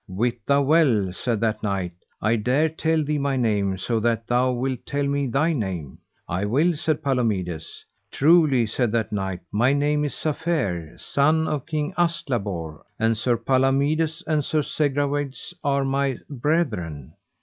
Wit thou well, said that knight, I dare tell thee my name, so that thou wilt tell me thy name. I will, said Palomides. Truly, said that knight, my name is Safere, son of King Astlabor, and Sir Palomides and Sir Segwarides are my brethren.